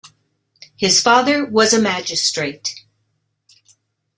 His father was a magistrate.